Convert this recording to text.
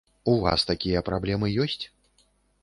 У вас такія праблемы ёсць?